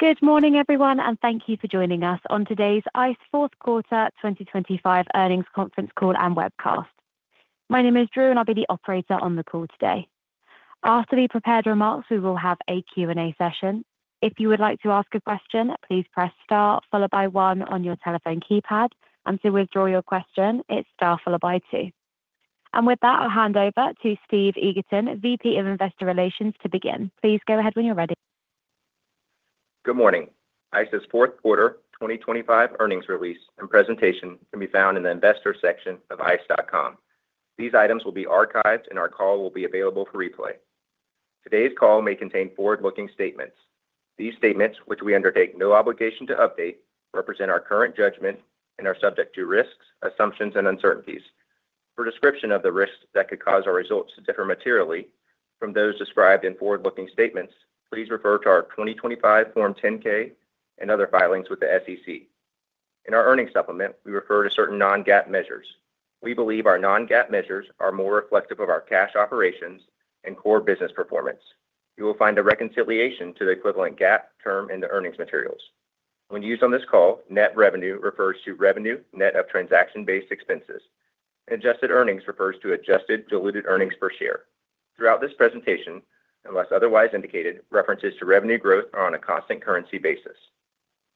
Good morning, everyone, and thank you for joining us on today's ICE fourth quarter 2025 earnings conference call and webcast. My name is Drew, and I'll be the operator on the call today. After the prepared remarks, we will have a Q&A session. If you would like to ask a question, please press Star followed by 1 on your telephone keypad. And to withdraw your question, it's Star followed by 2. And with that, I'll hand over to Steve Egerton, VP of Investor Relations, to begin. Please go ahead when you're ready. Good morning. ICE's fourth quarter 2025 earnings release and presentation can be found in the investor section of ice.com. These items will be archived and our call will be available for replay. Today's call may contain forward-looking statements. These statements, which we undertake no obligation to update, represent our current judgment and are subject to risks, assumptions, and uncertainties. For description of the risks that could cause our results to differ materially from those described in forward-looking statements, please refer to our 2025 Form 10-K and other filings with the SEC. In our earnings supplement, we refer to certain non-GAAP measures. We believe our non-GAAP measures are more reflective of our cash operations and core business performance. You will find a reconciliation to the equivalent GAAP term in the earnings materials. When used on this call, net revenue refers to revenue net of transaction-based expenses. Adjusted earnings refers to adjusted diluted earnings per share. Throughout this presentation, unless otherwise indicated, references to revenue growth are on a constant currency basis.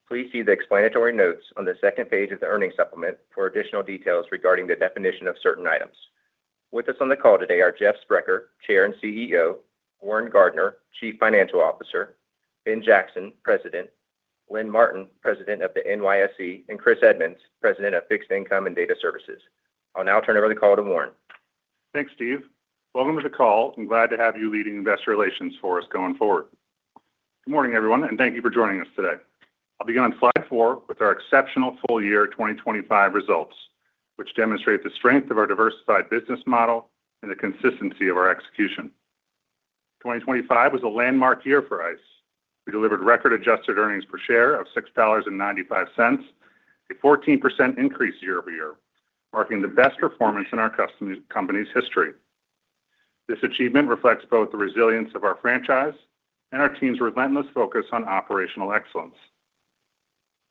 Please see the explanatory notes on the second page of the earnings supplement for additional details regarding the definition of certain items. With us on the call today are Jeff Sprecher, Chair and CEO, Warren Gardiner, Chief Financial Officer, Ben Jackson, President, Lynn Martin, President of the NYSE, and Chris Edmonds, President of Fixed Income and Data Services. I'll now turn over the call to Warren. Thanks, Steve. Welcome to the call. I'm glad to have you leading Investor Relations for us going forward. Good morning, everyone, and thank you for joining us today. I'll begin on slide 4 with our exceptional full year 2025 results, which demonstrate the strength of our diversified business model and the consistency of our execution. 2025 was a landmark year for ICE. We delivered record adjusted earnings per share of $6.95, a 14% increase year-over-year, marking the best performance in our company's history. This achievement reflects both the resilience of our franchise and our team's relentless focus on operational excellence.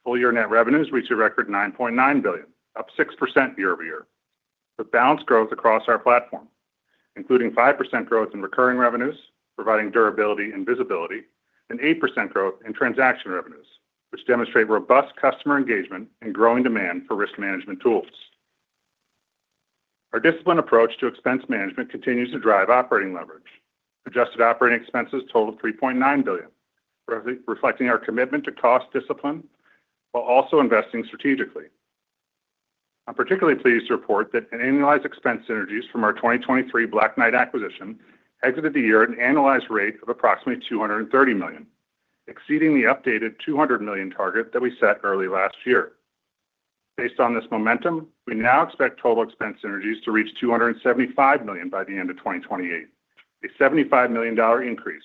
Full year net revenues reached a record $9.9 billion, up 6% year-over-year, with balanced growth across our platform, including 5% growth in recurring revenues, providing durability and visibility, and 8% growth in transaction revenues, which demonstrate robust customer engagement and growing demand for risk management tools. Our disciplined approach to expense management continues to drive operating leverage. Adjusted operating expenses totaled $3.9 billion, reflecting our commitment to cost discipline while also investing strategically. I'm particularly pleased to report that an annualized expense synergies from our 2023 Black Knight acquisition exited the year at an annualized rate of approximately $230 million, exceeding the updated $200 million target that we set early last year. Based on this momentum, we now expect total expense synergies to reach $275 million by the end of 2028, a $75 million increase,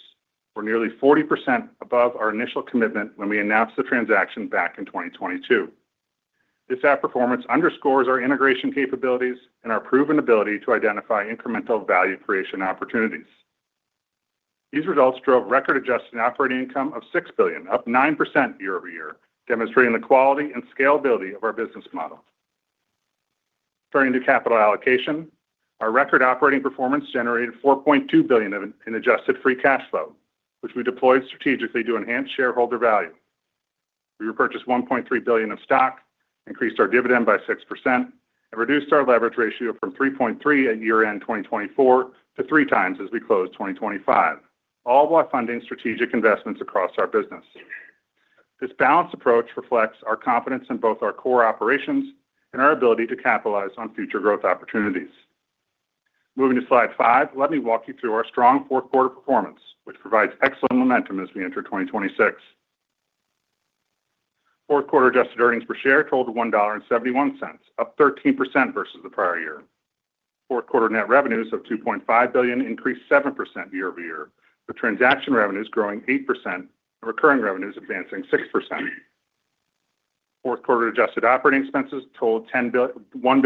or nearly 40% above our initial commitment when we announced the transaction back in 2022. This outperformance underscores our integration capabilities and our proven ability to identify incremental value creation opportunities. These results drove record adjusted operating income of $6 billion, up 9% year-over-year, demonstrating the quality and scalability of our business model. Turning to capital allocation, our record operating performance generated $4.2 billion of, in adjusted free cash flow, which we deployed strategically to enhance shareholder value. We repurchased $1.3 billion of stock, increased our dividend by 6%, and reduced our leverage ratio from 3.3 at year-end 2024 to 3 times as we closed 2025, all while funding strategic investments across our business. This balanced approach reflects our confidence in both our core operations and our ability to capitalize on future growth opportunities. Moving to slide 5, let me walk you through our strong fourth quarter performance, which provides excellent momentum as we enter 2026. Fourth quarter adjusted earnings per share totaled $1.71, up 13% versus the prior year. Fourth quarter net revenues of $2.5 billion increased 7% year-over-year, with transaction revenues growing 8%, and recurring revenues advancing 6%. Fourth quarter adjusted operating expenses totaled $1.01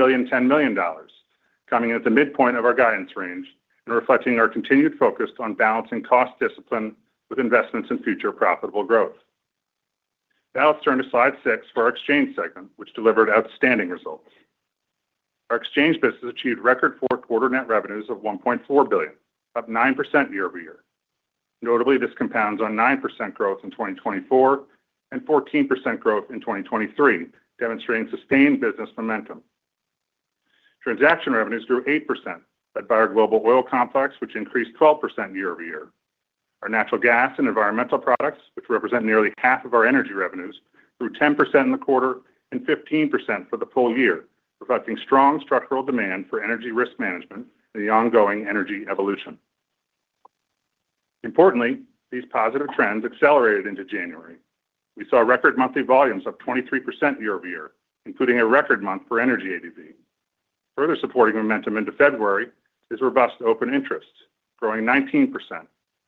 billion, coming at the midpoint of our guidance range and reflecting our continued focus on balancing cost discipline with investments in future profitable growth. Now, let's turn to slide 6 for our exchange segment, which delivered outstanding results. Our exchange business achieved record fourth quarter net revenues of $1.4 billion, up 9% year-over-year. Notably, this compounds on 9% growth in 2024 and 14% growth in 2023, demonstrating sustained business momentum. Transaction revenues grew 8%, led by our global Oil Complex, which increased 12% year-over-year. Our Natural Gas and Environmental Products, which represent nearly half of our energy revenues, grew 10% in the quarter and 15% for the full year, reflecting strong structural demand for energy risk management and the ongoing energy evolution. Importantly, these positive trends accelerated into January. We saw record monthly volumes up 23% year-over-year, including a record month for energy ADV. Further supporting momentum into February is robust open interest, growing 19%,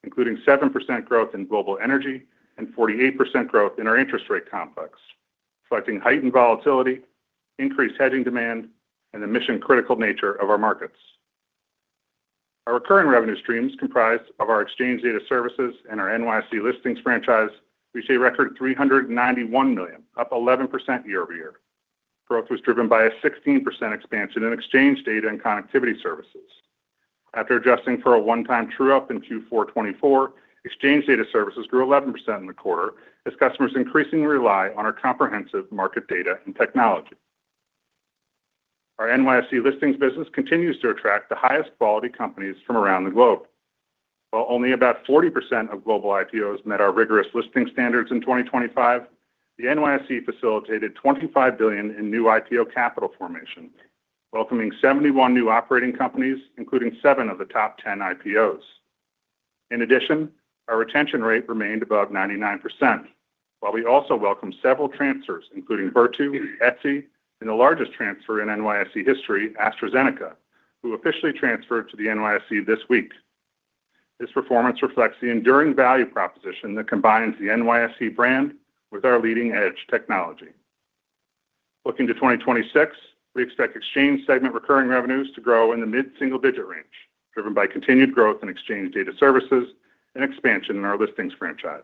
including 7% growth in global energy and 48% growth in our interest rate complex, reflecting heightened volatility, increased hedging demand, and the mission-critical nature of our markets.... Our recurring revenue streams, comprised of our exchange data services and our NYSE listings franchise, reached a record $391 million, up 11% year-over-year. Growth was driven by a 16% expansion in exchange data and connectivity services. After adjusting for a one-time true-up in Q4 2024, exchange data services grew 11% in the quarter, as customers increasingly rely on our comprehensive market data and technology. Our NYSE listings business continues to attract the highest quality companies from around the globe. While only about 40% of global IPOs met our rigorous listing standards in 2025, the NYSE facilitated $25 billion in new IPO capital formation, welcoming 71 new operating companies, including 7 of the top 10 IPOs. In addition, our retention rate remained above 99%, while we also welcomed several transfers, including Virtu, Etsy, and the largest transfer in NYSE history, AstraZeneca, who officially transferred to the NYSE this week. This performance reflects the enduring value proposition that combines the NYSE brand with our leading-edge technology. Looking to 2026, we expect exchange segment recurring revenues to grow in the mid-single-digit range, driven by continued growth in exchange data services and expansion in our listings franchise.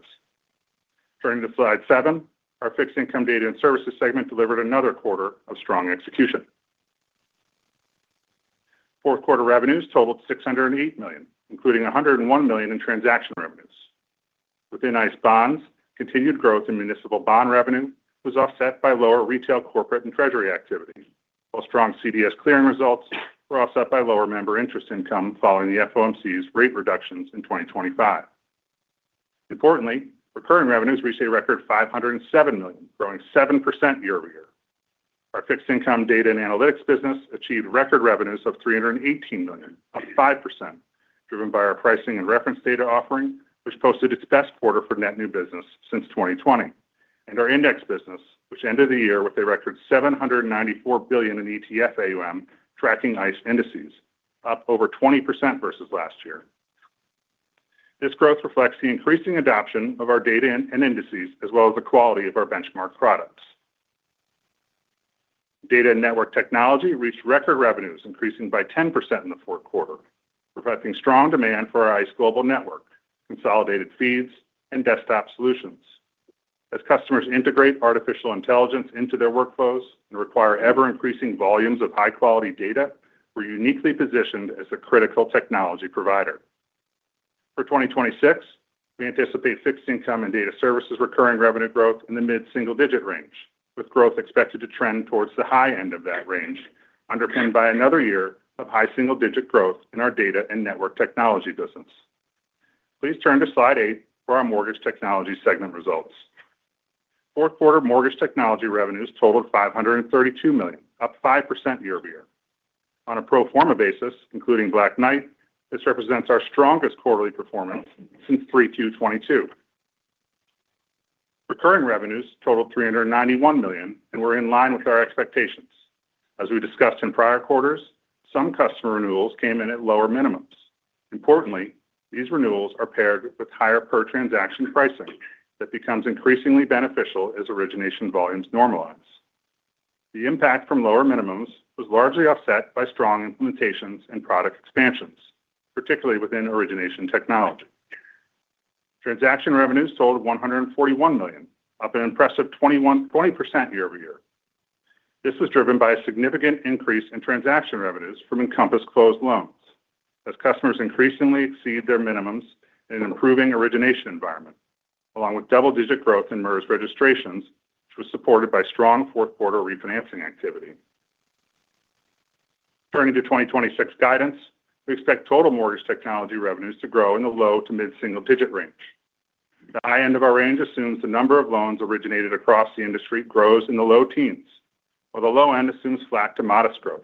Turning to slide 7, our fixed income data and services segment delivered another quarter of strong execution. Fourth quarter revenues totaled $608 million, including $101 million in transaction revenues. Within ICE Bonds, continued growth in municipal bond revenue was offset by lower retail, corporate, and treasury activity, while strong CDS clearing results were offset by lower member interest income following the FOMC's rate reductions in 2025. Importantly, recurring revenues reached a record $507 million, growing 7% year-over-year. Our fixed income data and analytics business achieved record revenues of $318 million, up 5%, driven by our pricing and reference data offering, which posted its best quarter for net new business since 2020. Our index business, which ended the year with a record $794 billion in ETF AUM, tracking ICE indices, up over 20% versus last year. This growth reflects the increasing adoption of our data and indices, as well as the quality of our benchmark products. Data and network technology reached record revenues, increasing by 10% in the fourth quarter, reflecting strong demand for our ICE Global Network, Consolidated Feeds, and desktop solutions. As customers integrate artificial intelligence into their workflows and require ever-increasing volumes of high-quality data, we're uniquely positioned as a critical technology provider. For 2026, we anticipate fixed income and data services recurring revenue growth in the mid-single-digit range, with growth expected to trend towards the high end of that range, underpinned by another year of high single-digit growth in our data and network technology business. Please turn to slide 8 for our mortgage technology segment results. Fourth quarter mortgage technology revenues totaled $532 million, up 5% year-over-year. On a pro forma basis, including Black Knight, this represents our strongest quarterly performance since Q3 2022. Recurring revenues totaled $391 million and were in line with our expectations. As we discussed in prior quarters, some customer renewals came in at lower minimums. Importantly, these renewals are paired with higher per-transaction pricing that becomes increasingly beneficial as origination volumes normalize. The impact from lower minimums was largely offset by strong implementations and product expansions, particularly within origination technology. Transaction revenues totaled $141 million, up an impressive 20% year-over-year. This was driven by a significant increase in transaction revenues from Encompass closed loans, as customers increasingly exceed their minimums in an improving origination environment, along with double-digit growth in MERS registrations, which was supported by strong fourth quarter refinancing activity. Turning to 2026 guidance, we expect total mortgage technology revenues to grow in the low- to mid-single-digit range. The high end of our range assumes the number of loans originated across the industry grows in the low teens, while the low end assumes flat to modest growth.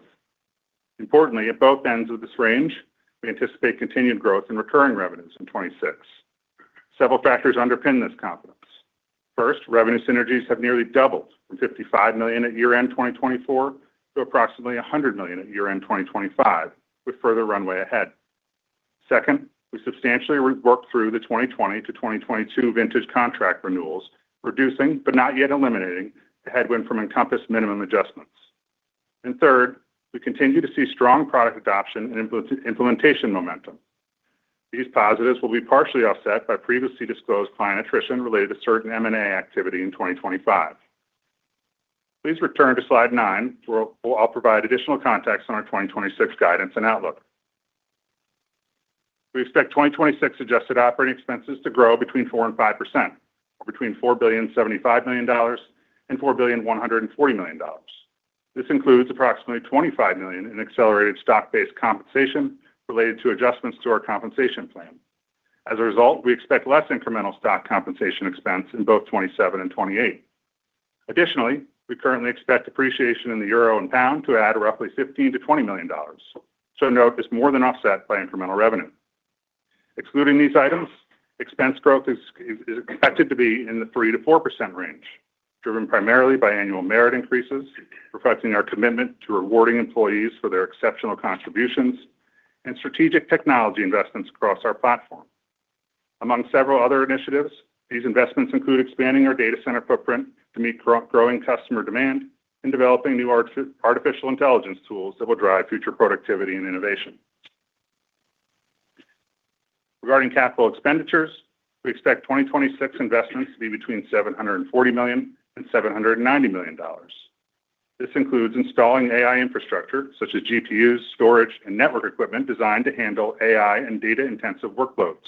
Importantly, at both ends of this range, we anticipate continued growth in recurring revenues in 2026. Several factors underpin this confidence. First, revenue synergies have nearly doubled from $55 million at year-end 2024 to approximately $100 million at year-end 2025, with further runway ahead. Second, we substantially re-worked through the 2020 to 2022 vintage contract renewals, reducing but not yet eliminating the headwind from Encompass minimum adjustments. Third, we continue to see strong product adoption and implementation momentum. These positives will be partially offset by previously disclosed client attrition related to certain M&A activity in 2025. Please return to slide 9, where I'll provide additional context on our 2026 guidance and outlook. We expect 2026 adjusted operating expenses to grow between 4% and 5%, or between $4.075 billion and $4.14 billion. This includes approximately $25 million in accelerated stock-based compensation related to adjustments to our compensation plan. As a result, we expect less incremental stock compensation expense in both 2027 and 2028. Additionally, we currently expect depreciation in the euro and pound to add roughly $15 million to $20 million, so note it's more than offset by incremental revenue. Excluding these items, expense growth is expected to be in the 3%- to 4% range, driven primarily by annual merit increases, reflecting our commitment to rewarding employees for their exceptional contributions and strategic technology investments across our platform. Among several other initiatives, these investments include expanding our data center footprint to meet growing customer demand and developing new artificial intelligence tools that will drive future productivity and innovation. Regarding capital expenditures, we expect 2026 investments to be between $740 million and $790 million. This includes installing AI infrastructure, such as GPUs, storage, and network equipment designed to handle AI and data-intensive workloads.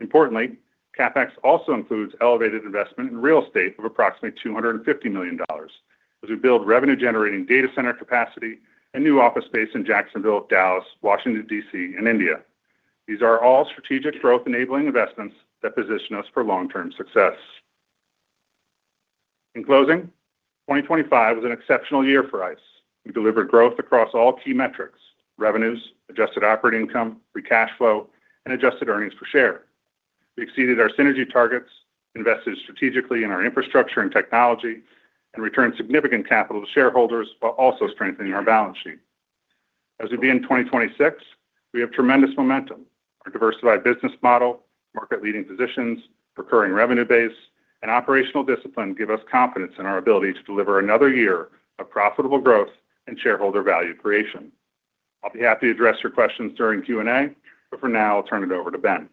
Importantly, CapEx also includes elevated investment in real estate of approximately $250 million, as we build revenue-generating data center capacity and new office space in Jacksonville, Dallas, Washington, D.C., and India. These are all strategic growth-enabling investments that position us for long-term success. In closing, 2025 was an exceptional year for ICE. We delivered growth across all key metrics: revenues, adjusted operating income, free cash flow, and adjusted earnings per share. We exceeded our synergy targets, invested strategically in our infrastructure and technology, and returned significant capital to shareholders while also strengthening our balance sheet. As we begin 2026, we have tremendous momentum. Our diversified business model, market-leading positions, recurring revenue base, and operational discipline give us confidence in our ability to deliver another year of profitable growth and shareholder value creation. I'll be happy to address your questions during Q&A, but for now, I'll turn it over to Ben.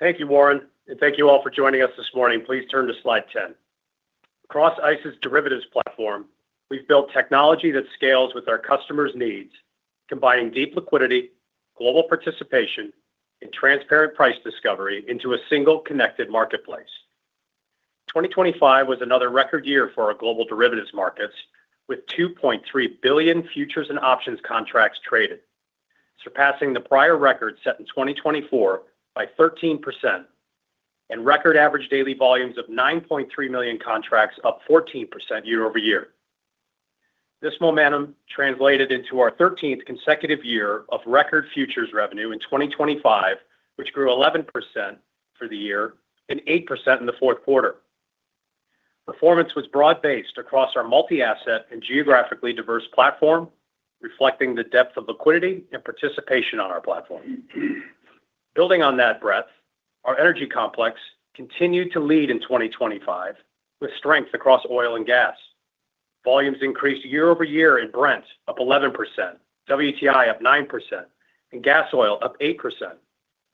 Thank you, Warren, and thank you all for joining us this morning. Please turn to slide 10. Across ICE's derivatives platform, we've built technology that scales with our customers' needs, combining deep liquidity, global participation, and transparent price discovery into a single connected marketplace. 2025 was another record year for our global derivatives markets, with 2.3 billion futures and options contracts traded, surpassing the prior record set in 2024 by 13%, and record average daily volumes of 9.3 million contracts, up 14% year-over-year. This momentum translated into our 13th consecutive year of record futures revenue in 2025, which grew 11% for the year and 8% in the fourth quarter. Performance was broad-based across our multi-asset and geographically diverse platform, reflecting the depth of liquidity and participation on our platform. Building on that breadth, our energy complex continued to lead in 2025, with strength across oil and gas. Volumes increased year-over-year in Brent, up 11%, WTI up 9%, and Gasoil up 8%,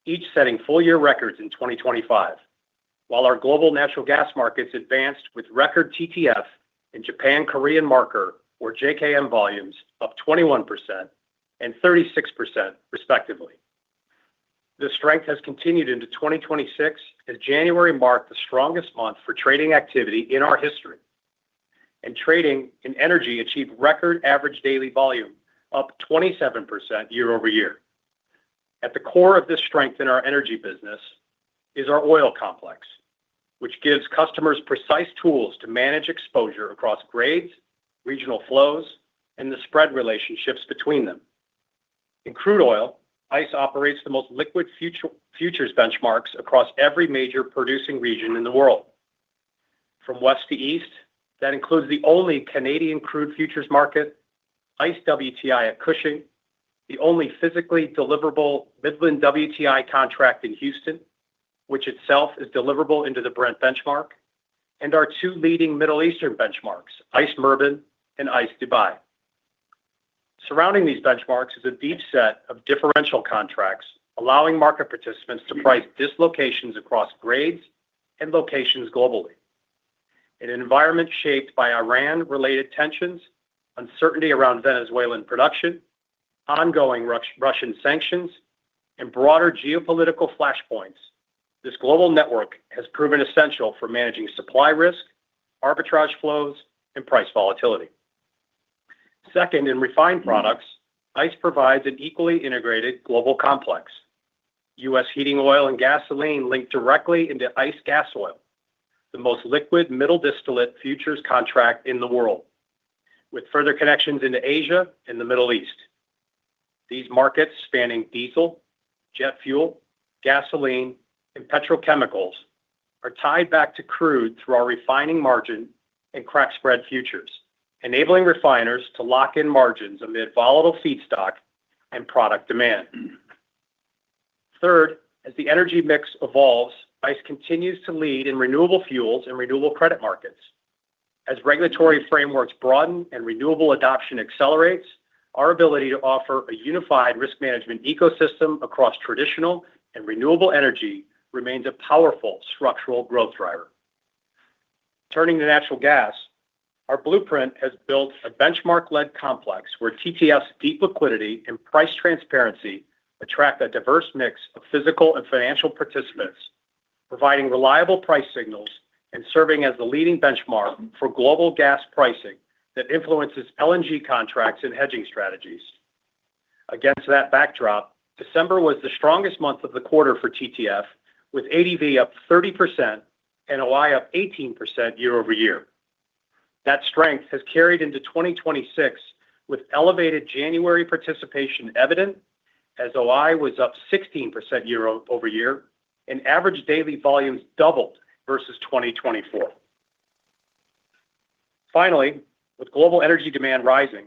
each setting full-year records in 2025. While our global natural gas markets advanced with record TTFs and Japan Korea Marker, or JKM volumes, up 21% and 36% respectively. The strength has continued into 2026, as January marked the strongest month for trading activity in our history, and trading in energy achieved record average daily volume, up 27% year-over-year. At the core of this strength in our energy business is our oil complex, which gives customers precise tools to manage exposure across grades, regional flows, and the spread relationships between them. In crude oil, ICE operates the most liquid futures benchmarks across every major producing region in the world. From west to east, that includes the only Canadian crude futures market, ICE WTI at Cushing, the only physically deliverable Midland WTI contract in Houston, which itself is deliverable into the Brent benchmark, and our two leading Middle Eastern benchmarks, ICE Murban and ICE Dubai. Surrounding these benchmarks is a deep set of differential contracts, allowing market participants to price dislocations across grades and locations globally. In an environment shaped by Iran-related tensions, uncertainty around Venezuelan production, ongoing Russian sanctions, and broader geopolitical flashpoints, this global network has proven essential for managing supply risk, arbitrage flows, and price volatility. Second, in refined products, ICE provides an equally integrated global complex. U.S. heating oil and gasoline link directly into ICE Gasoil, the most liquid middle distillate futures contract in the world, with further connections into Asia and the Middle East. These markets, spanning diesel, jet fuel, gasoline, and petrochemicals, are tied back to crude through our refining margin and crack spread futures, enabling refiners to lock in margins amid volatile feedstock and product demand. Third, as the energy mix evolves, ICE continues to lead in renewable fuels and renewable credit markets. As regulatory frameworks broaden and renewable adoption accelerates, our ability to offer a unified risk management ecosystem across traditional and renewable energy remains a powerful structural growth driver. Turning to natural gas, our blueprint has built a benchmark-led complex where TTF's deep liquidity and price transparency attract a diverse mix of physical and financial participants, providing reliable price signals and serving as the leading benchmark for global gas pricing that influences LNG contracts and hedging strategies. Against that backdrop, December was the strongest month of the quarter for TTF, with ADV up 30% and OI up 18% year over year. That strength has carried into 2026, with elevated January participation evident, as OI was up 16% year over year, and average daily volumes doubled versus 2024.... Finally, with global energy demand rising,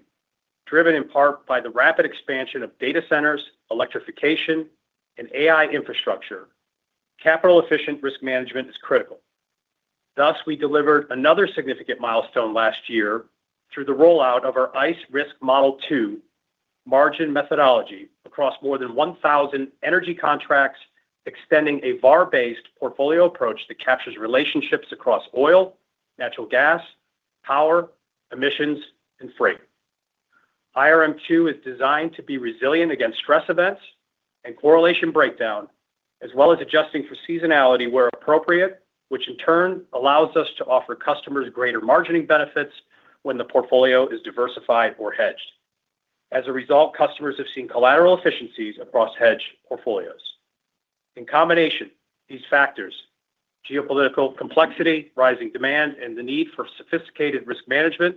driven in part by the rapid expansion of data centers, electrification, and AI infrastructure, capital-efficient risk management is critical. Thus, we delivered another significant milestone last year through the rollout of our ICE Risk Model 2 margin methodology across more than 1,000 energy contracts, extending a VaR-based portfolio approach that captures relationships across oil, natural gas, power, emissions, and freight. IRM 2 is designed to be resilient against stress events and correlation breakdown, as well as adjusting for seasonality where appropriate, which in turn allows us to offer customers greater margining benefits when the portfolio is diversified or hedged. As a result, customers have seen collateral efficiencies across hedge portfolios. In combination, these factors, geopolitical complexity, rising demand, and the need for sophisticated risk management,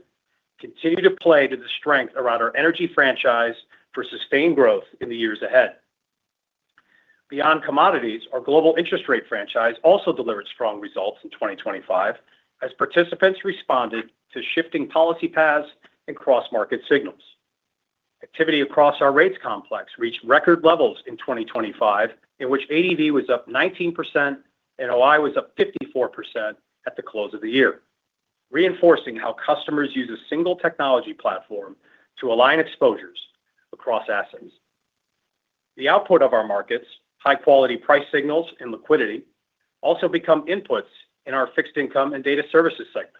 continue to play to the strength around our energy franchise for sustained growth in the years ahead. Beyond commodities, our global interest rate franchise also delivered strong results in 2025 as participants responded to shifting policy paths and cross-market signals. Activity across our rates complex reached record levels in 2025, in which ADV was up 19% and OI was up 54% at the close of the year, reinforcing how customers use a single technology platform to align exposures across assets. The output of our markets, high-quality price signals and liquidity, also become inputs in our Fixed Income and Data Services segment.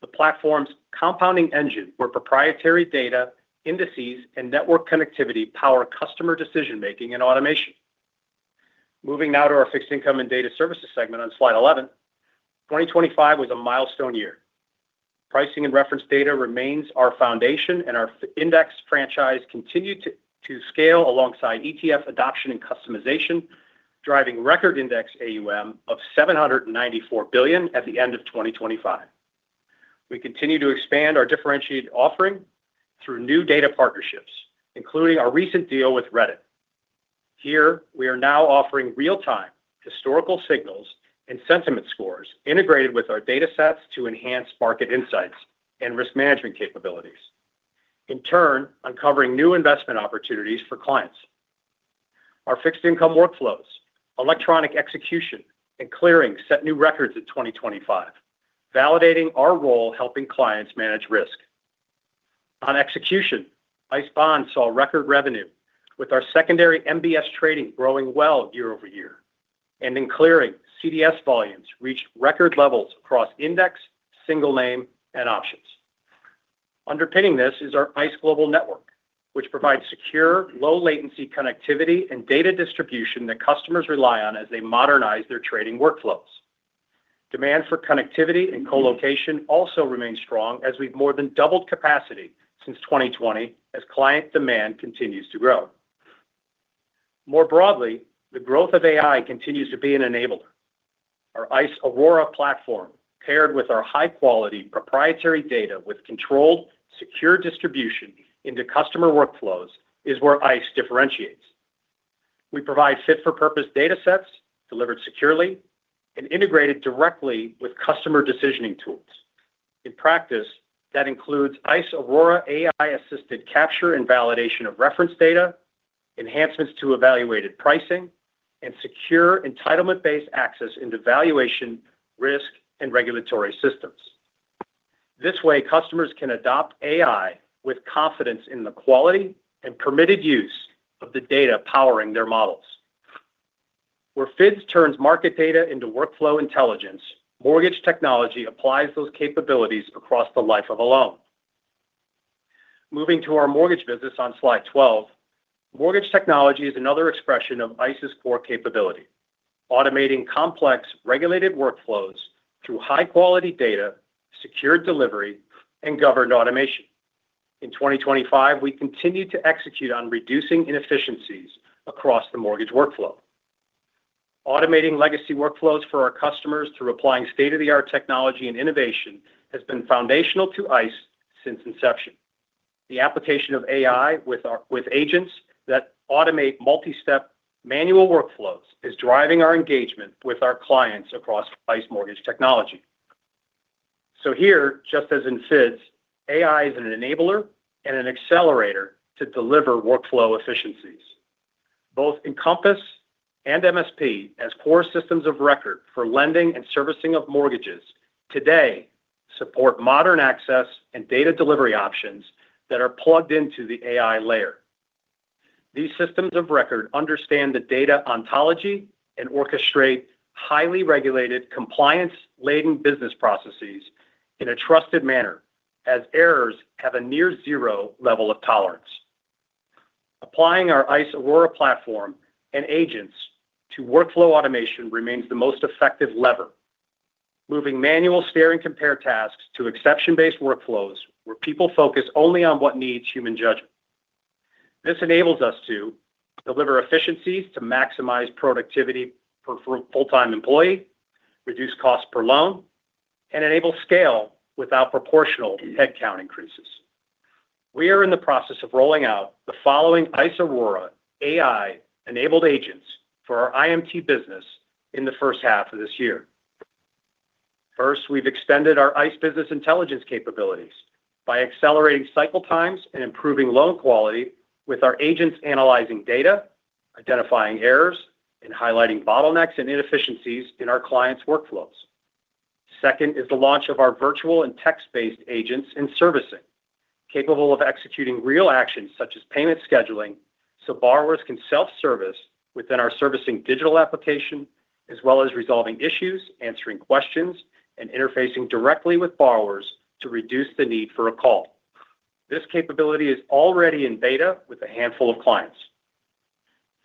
The platform's compounding engine, where proprietary data, indices, and network connectivity power customer decision-making and automation. Moving now to our Fixed Income and Data Services segment on slide 11. 2025 was a milestone year. Pricing and Reference Data remains our foundation, and our index franchise continued to scale alongside ETF adoption and customization, driving record index AUM of $794 billion at the end of 2025. We continue to expand our differentiated offering through new data partnerships, including our recent deal with Reddit. Here, we are now offering real-time historical signals and sentiment scores integrated with our data sets to enhance market insights and risk management capabilities. In turn, uncovering new investment opportunities for clients. Our fixed income workflows, electronic execution, and clearing set new records in 2025, validating our role helping clients manage risk. On execution, ICE Bonds saw record revenue, with our secondary MBS trading growing well year-over-year. In clearing, CDS volumes reached record levels across index, single name, and options. Underpinning this is our ICE Global Network, which provides secure, low-latency connectivity and data distribution that customers rely on as they modernize their trading workflows. Demand for connectivity and co-location also remains strong as we've more than doubled capacity since 2020 as client demand continues to grow. More broadly, the growth of AI continues to be an enabler. Our ICE Aurora platform, paired with our high-quality proprietary data with controlled, secure distribution into customer workflows, is where ICE differentiates. We provide fit-for-purpose data sets, delivered securely and integrated directly with customer decisioning tools. In practice, that includes ICE Aurora AI-assisted capture and validation of reference data, enhancements to evaluated pricing, and secure entitlement-based access into valuation, risk, and regulatory systems. This way, customers can adopt AI with confidence in the quality and permitted use of the data powering their models. Where FIDS turns market data into workflow intelligence, mortgage technology applies those capabilities across the life of a loan. Moving to our mortgage business on slide 12. Mortgage technology is another expression of ICE's core capability: automating complex, regulated workflows through high-quality data, secure delivery, and governed automation. In 2025, we continued to execute on reducing inefficiencies across the mortgage workflow. Automating legacy workflows for our customers through applying state-of-the-art technology and innovation has been foundational to ICE since inception. The application of AI with agents that automate multi-step manual workflows is driving our engagement with our clients across ICE Mortgage Technology. So here, just as in FIDS, AI is an enabler and an accelerator to deliver workflow efficiencies. Both Encompass and MSP, as core systems of record for lending and servicing of mortgages, today support modern access and data delivery options that are plugged into the AI layer. These systems of record understand the data ontology and orchestrate highly regulated, compliance-laden business processes in a trusted manner, as errors have a near zero level of tolerance. Applying our ICE Aurora platform and agents to workflow automation remains the most effective lever. Moving manual stare and compare tasks to exception-based workflows, where people focus only on what needs human judgment. This enables us to deliver efficiencies to maximize productivity per full, full-time employee, reduce costs per loan, and enable scale without proportional headcount increases. We are in the process of rolling out the following ICE Aurora AI-enabled agents for our IMT business in the first half of this year. First, we've extended our ICE Business intelligence capabilities by accelerating cycle times and improving loan quality with our agents analyzing data, identifying errors, and highlighting bottlenecks and inefficiencies in our clients' workflows. Second, is the launch of our virtual and text-based agents in servicing, capable of executing real actions such as payment scheduling, so borrowers can self-service within our Servicing Digital application, as well as resolving issues, answering questions, and interfacing directly with borrowers to reduce the need for a call. This capability is already in beta with a handful of clients.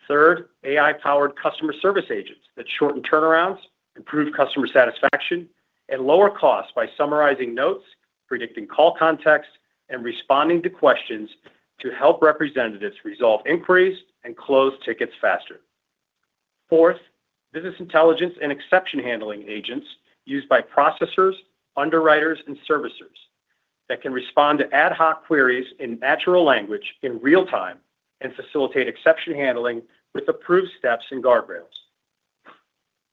Third, AI-powered customer service agents that shorten turnarounds, improve customer satisfaction, and lower costs by summarizing notes, predicting call context, and responding to questions to help representatives resolve inquiries and close tickets faster. Fourth, business intelligence and exception-handling agents used by processors, underwriters, and servicers that can respond to ad hoc queries in natural language in real time and facilitate exception handling with approved steps and guardrails.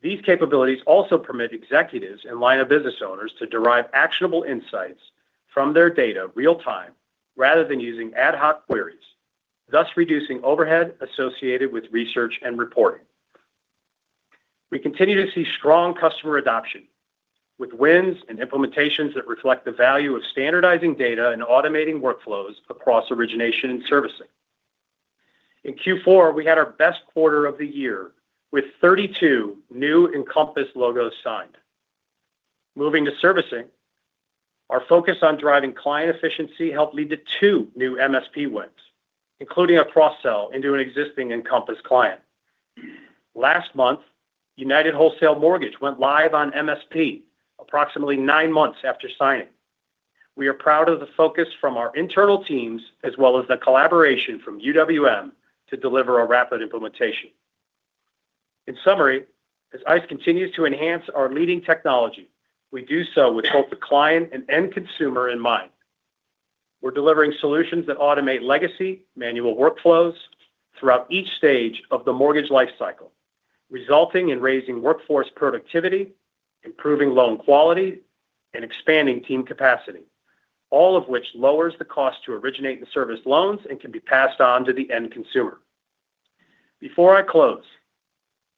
These capabilities also permit executives and line of business owners to derive actionable insights from their data real time, rather than using ad hoc queries, thus reducing overhead associated with research and reporting. We continue to see strong customer adoption, with wins and implementations that reflect the value of standardizing data and automating workflows across origination and servicing. In Q4, we had our best quarter of the year with 32 new Encompass logos signed. Moving to servicing, our focus on driving client efficiency helped lead to two new MSP wins, including a cross-sell into an existing Encompass client. Last month, United Wholesale Mortgage went live on MSP, approximately nine months after signing. We are proud of the focus from our internal teams, as well as the collaboration from UWM to deliver a rapid implementation. In summary, as ICE continues to enhance our leading technology, we do so with both the client and end consumer in mind. We're delivering solutions that automate legacy, manual workflows throughout each stage of the mortgage life cycle, resulting in raising workforce productivity, improving loan quality, and expanding team capacity, all of which lowers the cost to originate and service loans and can be passed on to the end consumer. Before I close,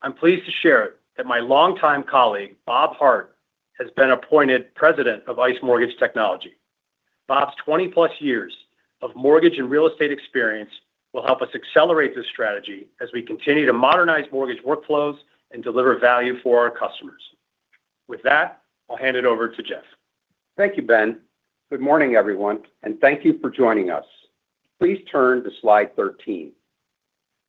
I'm pleased to share that my longtime colleague, Bob Hart, has been appointed President of ICE Mortgage Technology. Bob's 20-plus years of mortgage and real estate experience will help us accelerate this strategy as we continue to modernize mortgage workflows and deliver value for our customers. With that, I'll hand it over to Jeff. Thank you, Ben. Good morning, everyone, and thank you for joining us. Please turn to slide 13.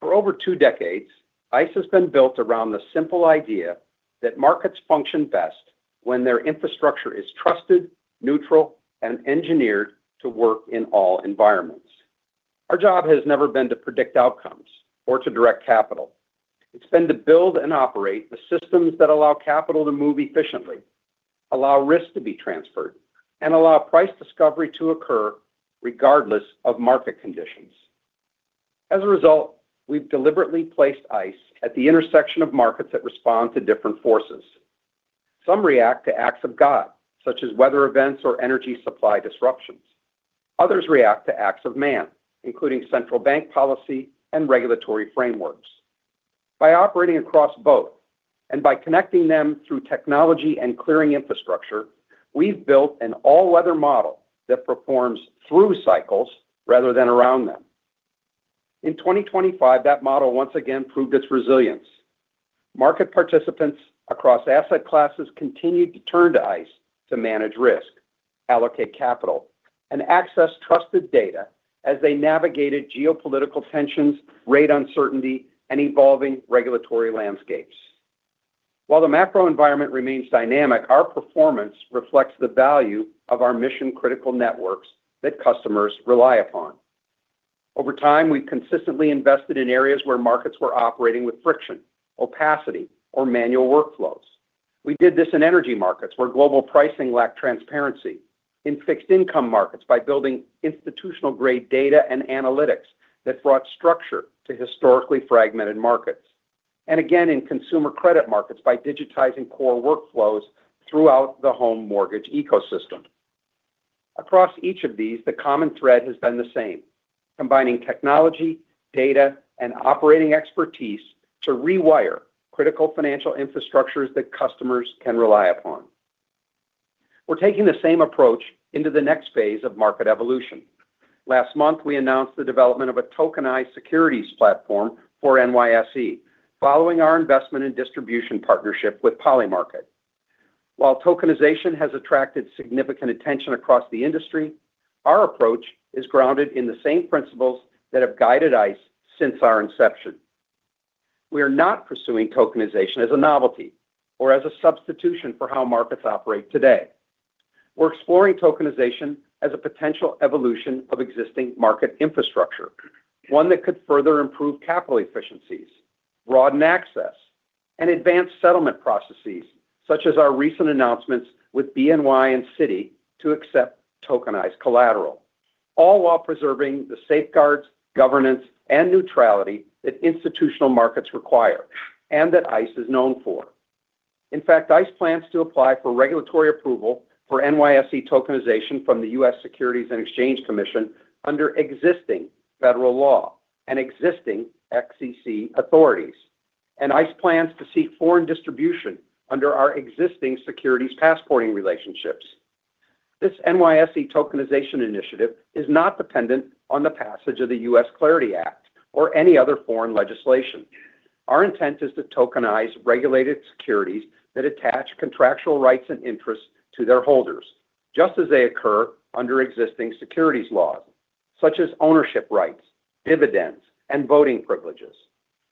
For over two decades, ICE has been built around the simple idea that markets function best when their infrastructure is trusted, neutral, and engineered to work in all environments. Our job has never been to predict outcomes or to direct capital. It's been to build and operate the systems that allow capital to move efficiently, allow risk to be transferred, and allow price discovery to occur regardless of market conditions. As a result, we've deliberately placed ICE at the intersection of markets that respond to different forces. Some react to acts of God, such as weather events or energy supply disruptions. Others react to acts of man, including central bank policy and regulatory frameworks. By operating across both, and by connecting them through technology and clearing infrastructure, we've built an all-weather model that performs through cycles rather than around them. In 2025, that model once again proved its resilience. Market participants across asset classes continued to turn to ICE to manage risk, allocate capital, and access trusted data as they navigated geopolitical tensions, rate uncertainty, and evolving regulatory landscapes. While the macro environment remains dynamic, our performance reflects the value of our mission-critical networks that customers rely upon. Over time, we've consistently invested in areas where markets were operating with friction, opacity, or manual workflows. We did this in energy markets, where global pricing lacked transparency, in fixed-income markets by building institutional-grade data and analytics that brought structure to historically fragmented markets, and again, in consumer credit markets by digitizing core workflows throughout the home mortgage ecosystem. Across each of these, the common thread has been the same: combining technology, data, and operating expertise to rewire critical financial infrastructures that customers can rely upon. We're taking the same approach into the next phase of market evolution. Last month, we announced the development of a tokenized securities platform for NYSE, following our investment and distribution partnership with Polymarket. While tokenization has attracted significant attention across the industry, our approach is grounded in the same principles that have guided ICE since our inception. We are not pursuing tokenization as a novelty or as a substitution for how markets operate today. We're exploring tokenization as a potential evolution of existing market infrastructure, one that could further improve capital efficiencies, broaden access-... Advanced settlement processes, such as our recent announcements with BNY and Citi to accept tokenized collateral, all while preserving the safeguards, governance, and neutrality that institutional markets require and that ICE is known for. In fact, ICE plans to apply for regulatory approval for NYSE tokenization from the U.S. Securities and Exchange Commission under existing federal law and existing SEC authorities. ICE plans to seek foreign distribution under our existing securities passporting relationships. This NYSE tokenization initiative is not dependent on the passage of the U.S. Clarity Act or any other foreign legislation. Our intent is to tokenize regulated securities that attach contractual rights and interests to their holders, just as they occur under existing securities laws, such as ownership rights, dividends, and voting privileges.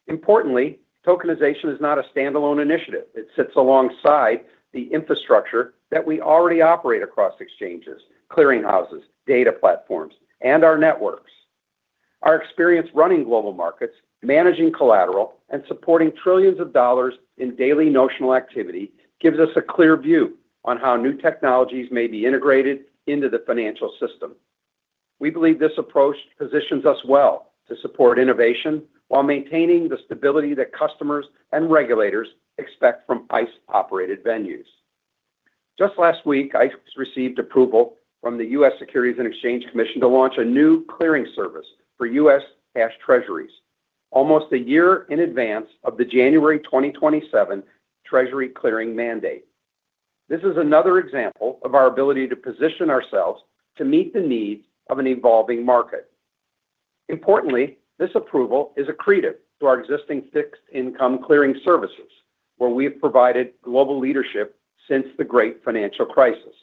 Importantly, tokenization is not a standalone initiative. It sits alongside the infrastructure that we already operate across exchanges, clearing houses, data platforms, and our networks. Our experience running global markets, managing collateral, and supporting trillions of dollars in daily notional activity gives us a clear view on how new technologies may be integrated into the financial system. We believe this approach positions us well to support innovation while maintaining the stability that customers and regulators expect from ICE-operated venues. Just last week, ICE received approval from the U.S. Securities and Exchange Commission to launch a new clearing service for U.S. cash treasuries, almost a year in advance of the January 2027 treasury clearing mandate. This is another example of our ability to position ourselves to meet the needs of an evolving market. Importantly, this approval is accretive to our existing fixed income clearing services, where we've provided global leadership since the great financial crisis.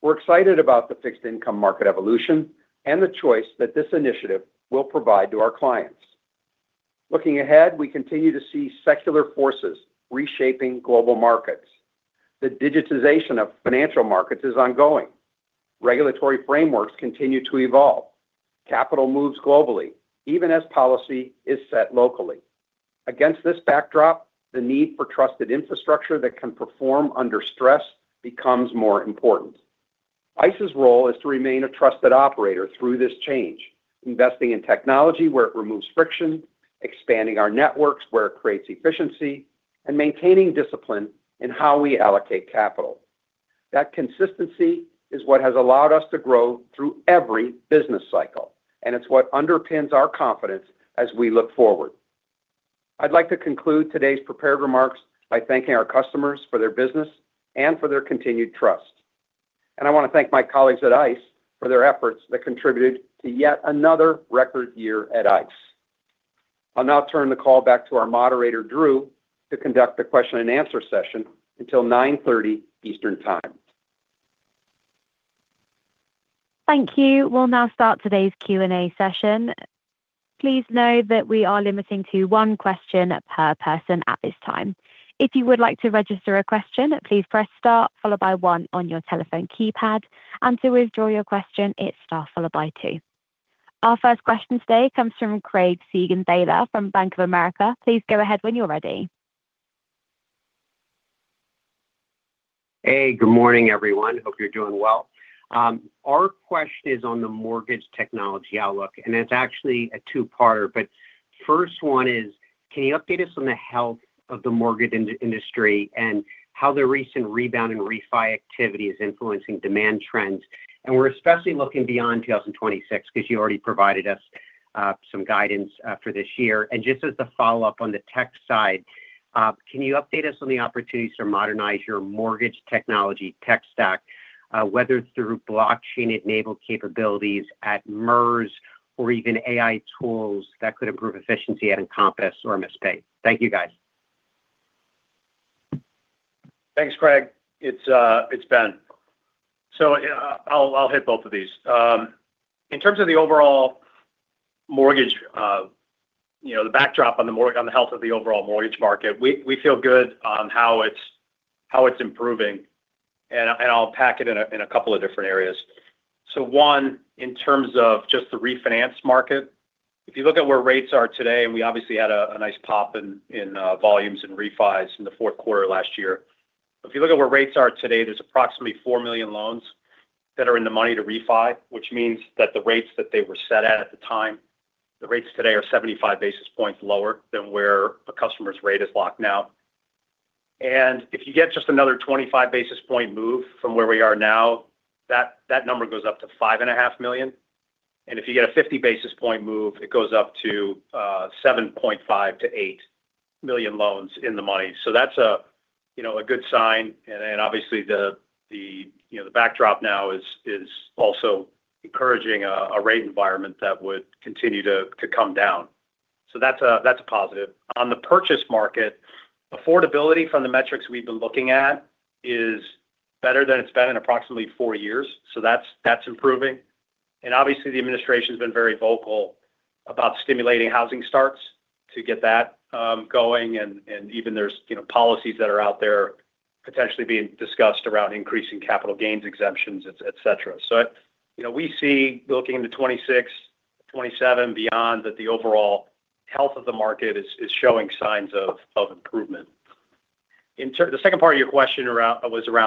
We're excited about the fixed income market evolution and the choice that this initiative will provide to our clients. Looking ahead, we continue to see secular forces reshaping global markets. The digitization of financial markets is ongoing. Regulatory frameworks continue to evolve. Capital moves globally, even as policy is set locally. Against this backdrop, the need for trusted infrastructure that can perform under stress becomes more important. ICE's role is to remain a trusted operator through this change, investing in technology where it removes friction, expanding our networks where it creates efficiency, and maintaining discipline in how we allocate capital. That consistency is what has allowed us to grow through every business cycle, and it's what underpins our confidence as we look forward. I'd like to conclude today's prepared remarks by thanking our customers for their business and for their continued trust. I want to thank my colleagues at ICE for their efforts that contributed to yet another record year at ICE. I'll now turn the call back to our moderator, Drew, to conduct the question and answer session until 9:30 A.M. Eastern Time. Thank you. We'll now start today's Q&A session. Please know that we are limiting to one question per person at this time. If you would like to register a question, please press star followed by one on your telephone keypad. And to withdraw your question, it's star followed by two. Our first question today comes from Craig Siegenthaler from Bank of America. Please go ahead when you're ready. Hey, good morning, everyone. Hope you're doing well. Our question is on the mortgage technology outlook, and it's actually a two-parter. But first one is, can you update us on the health of the mortgage industry and how the recent rebound in refi activity is influencing demand trends? And we're especially looking beyond 2026, 'cause you already provided us some guidance for this year. And just as a follow-up on the tech side, can you update us on the opportunities to modernize your mortgage technology tech stack, whether through blockchain-enabled capabilities at MERS or even AI tools that could improve efficiency at Encompass or MSP? Thank you, guys. Thanks, Craig. It's, it's Ben. So, yeah, I'll, I'll hit both of these. In terms of the overall mortgage, you know, the backdrop on the health of the overall mortgage market, we, we feel good on how it's, how it's improving, and I, and I'll pack it in a, in a couple of different areas. So one, in terms of just the refinance market, if you look at where rates are today, and we obviously had a, a nice pop in, in, volumes and refis in the fourth quarter last year. If you look at where rates are today, there's approximately 4 million loans that are in the money to refi, which means that the rates that they were set at, at the time, the rates today are 75 basis points lower than where a customer's rate is locked now. If you get just another 25 basis points move from where we are now, that, that number goes up to 5.5 million. And if you get a 50 basis points move, it goes up to seven point five to eight million loans in the money. So that's a, you know, a good sign, and then, obviously, the, the, you know, the backdrop now is, is also encouraging a, a rate environment that would continue to, to come down. So that's a, that's a positive. On the purchase market, affordability from the metrics we've been looking at is better than it's been in approximately 4 years, so that's, that's improving. Obviously, the administration's been very vocal about stimulating housing starts to get that going, and even there's, you know, policies that are out there potentially being discussed around increasing capital gains exemptions, et cetera. So, you know, we see, looking into 2026-... 27 beyond that the overall health of the market is showing signs of improvement. In turn, the second part of your question around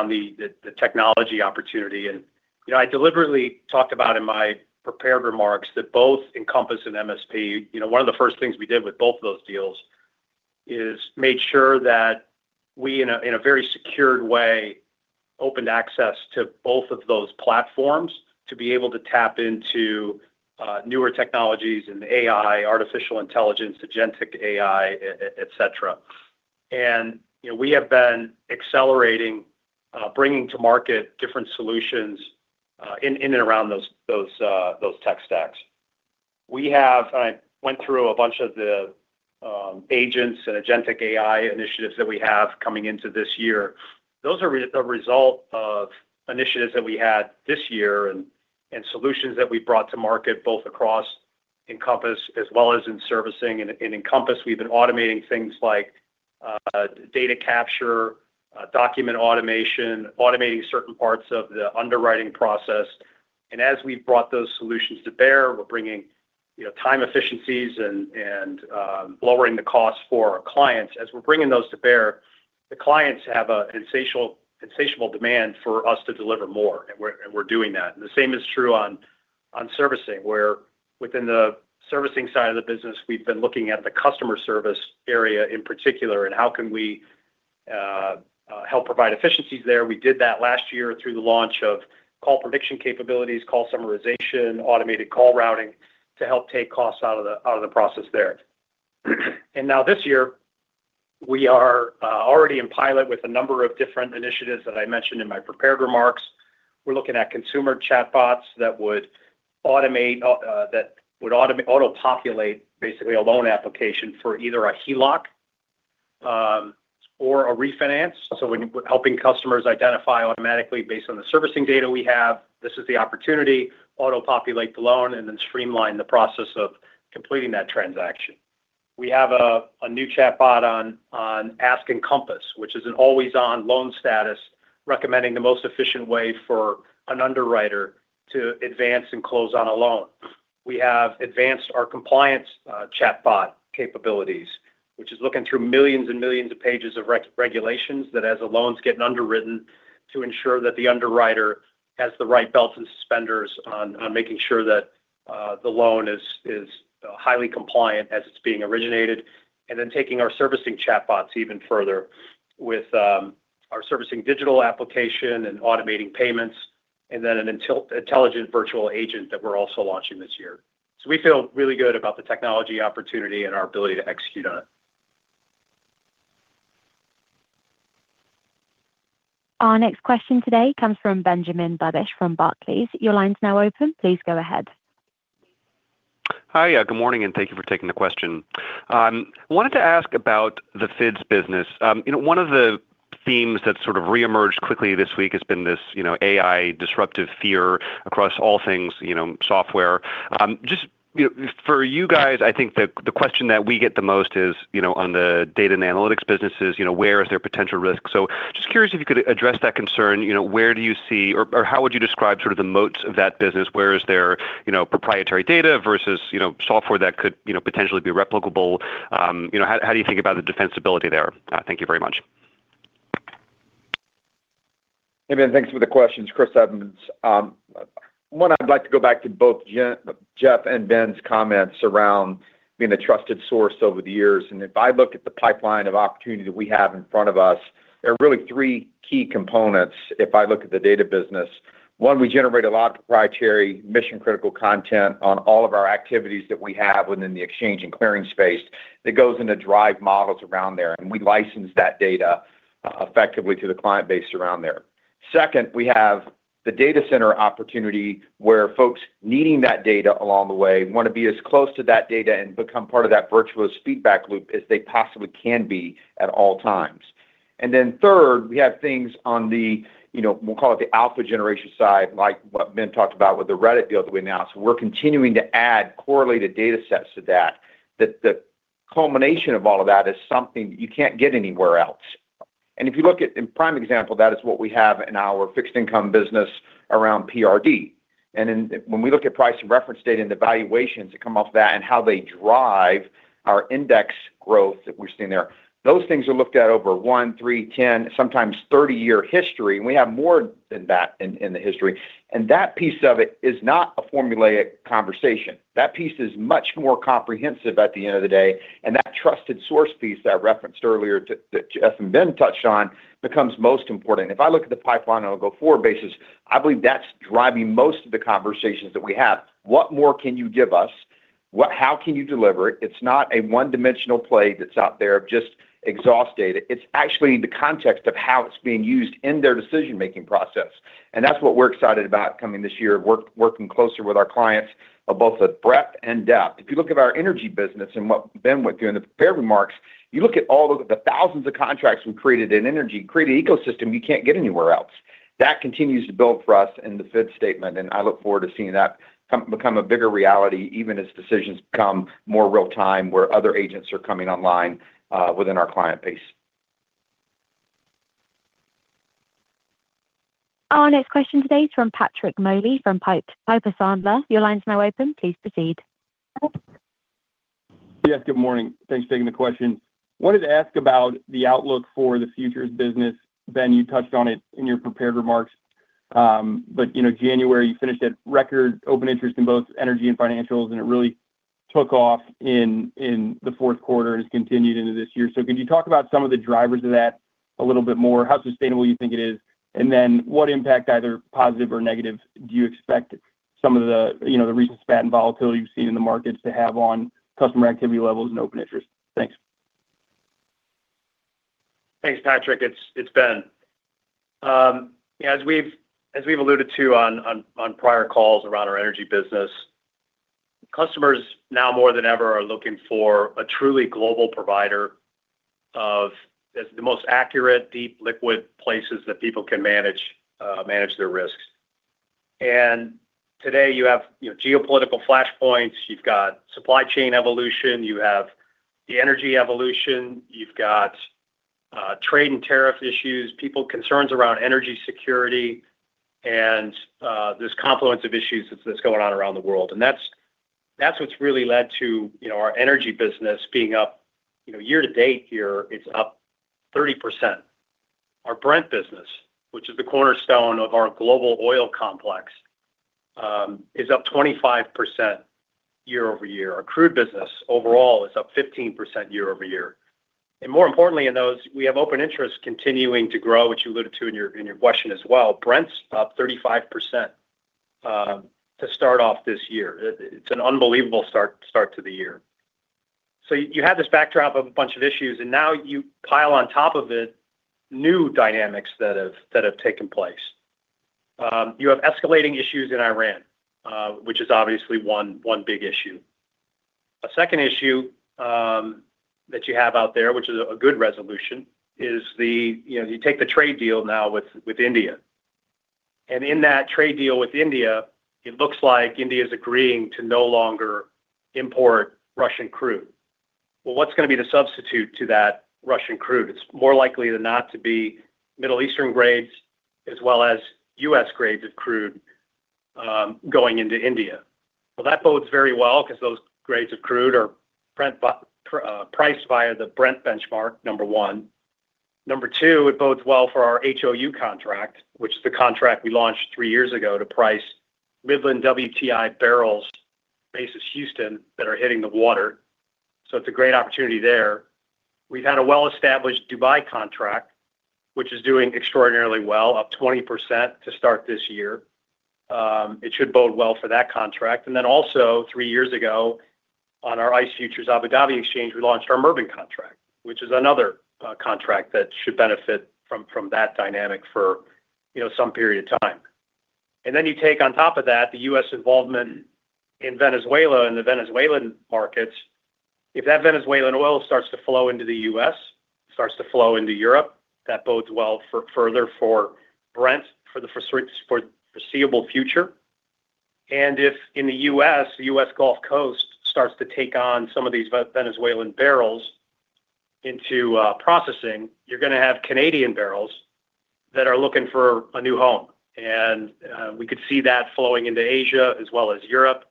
the technology opportunity, and, you know, I deliberately talked about in my prepared remarks that both Encompass and MSP, you know, one of the first things we did with both of those deals is made sure that we, in a very secured way, opened access to both of those platforms to be able to tap into newer technologies and AI, artificial intelligence, agentic AI, et cetera. And, you know, we have been accelerating bringing to market different solutions in and around those tech stacks. We have, and I went through a bunch of the agents and agentic AI initiatives that we have coming into this year. Those are a result of initiatives that we had this year and solutions that we brought to market, both across Encompass as well as in servicing. In Encompass, we've been automating things like data capture, document automation, automating certain parts of the underwriting process. And as we've brought those solutions to bear, we're bringing, you know, time efficiencies and lowering the costs for our clients. As we're bringing those to bear, the clients have an insatiable demand for us to deliver more, and we're doing that. And the same is true on servicing, where within the servicing side of the business, we've been looking at the customer service area in particular, and how can we help provide efficiencies there? We did that last year through the launch of call prediction capabilities, call summarization, automated call routing to help take costs out of the process there. And now this year, we are already in pilot with a number of different initiatives that I mentioned in my prepared remarks. We're looking at consumer chatbots that would automate that would auto-populate, basically, a loan application for either a HELOC or a refinance. So when helping customers identify automatically based on the servicing data we have, this is the opportunity, auto-populate the loan, and then streamline the process of completing that transaction. We have a new chatbot on Ask Encompass, which is an always-on loan status, recommending the most efficient way for an underwriter to advance and close on a loan. We have advanced our compliance chatbot capabilities, which is looking through millions and millions of pages of regulations that as a loan's getting underwritten, to ensure that the underwriter has the right belts and suspenders on making sure that the loan is highly compliant as it's being originated, and then taking our servicing chatbots even further with our Servicing Digital application and automating payments, and then an intelligent virtual agent that we're also launching this year. So we feel really good about the technology opportunity and our ability to execute on it. Our next question today comes from Benjamin Budish from Barclays. Your line's now open, please go ahead. Hi, yeah, good morning, and thank you for taking the question. Wanted to ask about the FIDs business. You know, one of the themes that sort of reemerged quickly this week has been this, you know, AI disruptive fear across all things, you know, software. Just, you know, for you guys, I think the, the question that we get the most is, you know, on the data and analytics businesses, you know, where is there potential risk? So just curious if you could address that concern, you know, where do you see or, or how would you describe sort of the moats of that business? Where is there, you know, proprietary data versus, you know, software that could, you know, potentially be replicable? You know, how, how do you think about the defensibility there? Thank you very much. Hey, Ben, thanks for the questions. Chris Edmonds. One, I'd like to go back to both Jeff and Ben's comments around being a trusted source over the years. If I look at the pipeline of opportunity that we have in front of us, there are really three key components if I look at the data business. One, we generate a lot of proprietary, mission-critical content on all of our activities that we have within the exchange and clearing space that goes in to drive models around there, and we license that data effectively to the client base around there. Second, we have the data center opportunity where folks needing that data along the way want to be as close to that data and become part of that virtuous feedback loop as they possibly can be at all times. And then third, we have things on the, you know, we'll call it the alpha generation side, like what Ben talked about with the Reddit deal that we announced. We're continuing to add correlated data sets to that. The culmination of all of that is something you can't get anywhere else. And if you look at... And prime example, that is what we have in our fixed income business around PRD. And then when we look at price and reference data and the valuations that come off that and how they drive our index growth that we're seeing there, those things are looked at over 1, 3, 10, sometimes 30-year history, and we have more than that in the history. And that piece of it is not a formulaic conversation. That piece is much more comprehensive at the end of the day, and that trusted source piece that I referenced earlier, too, that Jeff and Ben touched on, becomes most important. If I look at the pipeline on a go-forward basis, I believe that's driving most of the conversations that we have. What more can you give us? How can you deliver it? It's not a one-dimensional play that's out there of just exhaust data. It's actually the context of how it's being used in their decision-making process, and that's what we're excited about coming this year, working closer with our clients of both the breadth and depth. If you look at our energy business and what Ben went through in the prepared remarks, you look at all the thousands of contracts we created in energy, create an ecosystem you can't get anywhere else. That continues to build for us in the FID statement, and I look forward to seeing that become a bigger reality, even as decisions become more real time, where other agents are coming online within our client base.... Our next question today is from Patrick Moley, from Piper Sandler. Your line is now open. Please proceed. Yes, good morning. Thanks for taking the question. Wanted to ask about the outlook for the futures business. Ben, you touched on it in your prepared remarks. But, you know, January, you finished at record open interest in both energy and financials, and it really took off in the fourth quarter and has continued into this year. So could you talk about some of the drivers of that a little bit more? How sustainable you think it is, and then what impact, either positive or negative, do you expect some of the, you know, the recent spat and volatility you've seen in the markets to have on customer activity levels and open interest? Thanks. Thanks, Patrick. It's, it's Ben. As we've alluded to on prior calls around our energy business, customers now more than ever are looking for a truly global provider of the most accurate, deep liquid places that people can manage their risks. And today, you have, you know, geopolitical flashpoints, you've got supply chain evolution, you have the energy evolution, you've got trade and tariff issues, people concerns around energy security, and this confluence of issues that's going on around the world. And that's what's really led to, you know, our energy business being up, you know, year to date here, it's up 30%. Our Brent business, which is the cornerstone of our global oil complex, is up 25% year-over-year. Our crude business overall is up 15% year-over-year. More importantly, in those, we have open interest continuing to grow, which you alluded to in your question as well. Brent's up 35%, to start off this year. It's an unbelievable start to the year. So you had this backdrop of a bunch of issues, and now you pile on top of it, new dynamics that have taken place. You have escalating issues in Iran, which is obviously one big issue. A second issue that you have out there, which is a good resolution, is you know, you take the trade deal now with India. And in that trade deal with India, it looks like India is agreeing to no longer import Russian crude. Well, what's gonna be the substitute to that Russian crude? It's more likely than not to be Middle Eastern grades as well as US grades of crude, going into India. Well, that bodes very well because those grades of crude are Brent priced via the Brent benchmark, number one. Number two, it bodes well for our HOU contract, which is the contract we launched three years ago to price Midland WTI barrels, basis Houston, that are hitting the water. So it's a great opportunity there. We've had a well-established Dubai contract, which is doing extraordinarily well, up 20% to start this year. It should bode well for that contract. And then also, three years ago, on our ICE Futures Abu Dhabi Exchange, we launched our Murban contract, which is another contract that should benefit from that dynamic for, you know, some period of time. Then you take on top of that, the U.S. involvement in Venezuela and the Venezuelan markets. If that Venezuelan oil starts to flow into the U.S., starts to flow into Europe, that bodes well for Brent for the foreseeable future. And if in the U.S., the U.S. Gulf Coast starts to take on some of these Venezuelan barrels into processing, you're gonna have Canadian barrels that are looking for a new home, and we could see that flowing into Asia as well as Europe.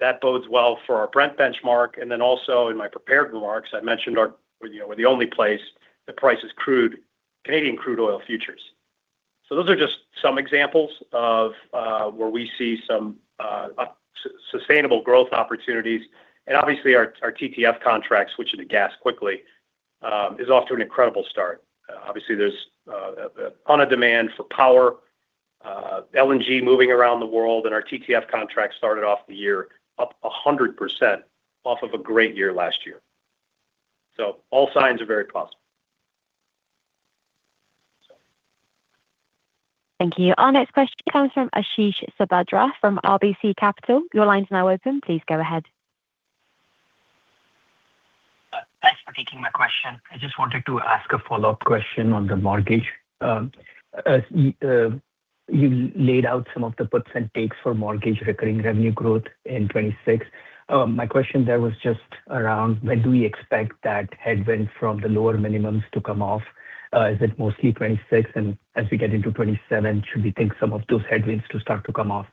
That bodes well for our Brent benchmark. And then also in my prepared remarks, I mentioned our, you know, we're the only place that prices crude, Canadian crude oil futures. So those are just some examples of where we see some sustainable growth opportunities. And obviously, our TTF contracts, which are the gas, quickly, is off to an incredible start. Obviously, there's a demand for power, LNG moving around the world, and our TTF contract started off the year up 100% off of a great year last year. So all signs are very positive. Thank you. Our next question comes from Ashish Sabadra from RBC Capital. Your line is now open. Please go ahead. Thanks for taking my question. I just wanted to ask a follow-up question on the mortgage. You laid out some of the puts and takes for mortgage recurring revenue growth in 2026. My question there was just around, when do we expect that headwind from the lower minimums to come off? Is it mostly 2026, and as we get into 2027, should we think some of those headwinds to start to come off?